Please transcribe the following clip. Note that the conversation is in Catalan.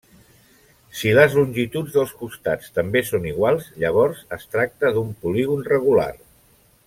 Si les longituds dels costats també són iguals, llavors es tracta d'un polígon regular.